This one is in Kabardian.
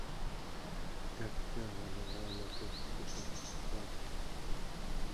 Дэпкӏэ гъэлыгъуа нартыху сыту сфӏэфӏ.